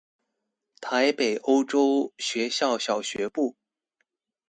臺北歐洲學校小學部